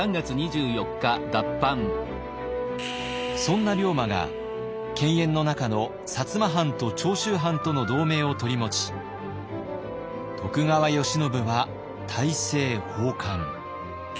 そんな龍馬が犬猿の仲の摩藩と長州藩との同盟を取り持ち徳川慶喜は大政奉還。